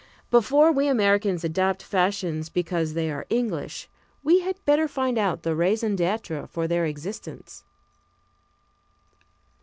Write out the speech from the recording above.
Before we Americans adopt fashions because they are English, we had better find out the raison d'être for their existence.